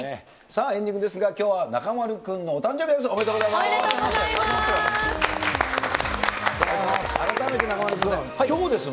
さあ、エンディングですが、きょうは中丸君のお誕生日です、おめでとうございます。